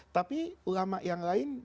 tapi ulama yang lain